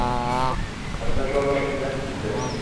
Hasratchi orqasiga qaytib ketibdi.